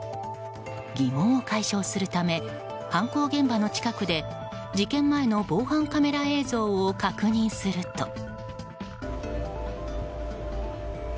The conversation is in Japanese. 疑問を解消するため犯行現場の近くで事件前の防犯カメラ映像を確認すると。